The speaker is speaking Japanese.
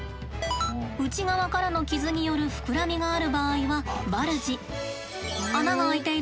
内側からの傷による膨らみがある場合はＢＵＬＧＥ。